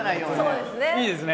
そうですね！